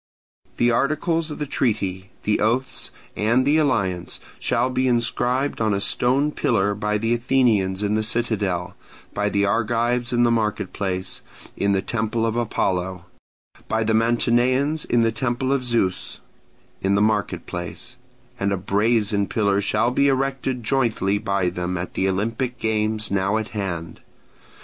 The articles of the treaty, the oaths, and the alliance shall be inscribed on a stone pillar by the Athenians in the citadel, by the Argives in the market place, in the temple of Apollo: by the Mantineans in the temple of Zeus, in the market place: and a brazen pillar shall be erected jointly by them at the Olympic games now at hand.